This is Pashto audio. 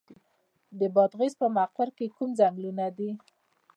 د بادغیس په مقر کې کوم ځنګلونه دي؟